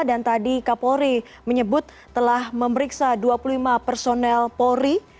dan tadi kapolri menyebut telah memeriksa dua puluh lima personel polri